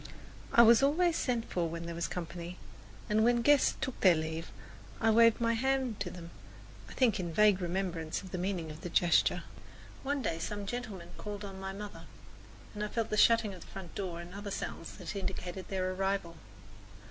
I was always sent for when there was company, and when the guests took their leave, I waved my hand to them, I think with a vague remembrance of the meaning of the gesture. One day some gentlemen called on my mother, and I felt the shutting of the front door and other sounds that indicated their arrival.